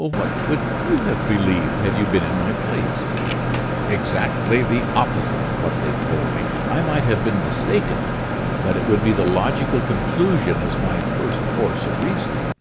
"What would you have believed had you been in my place?" "Exactly the opposite of what they told me. I might have been mistaken; but it would be the logical conclusion as my first course of reasoning."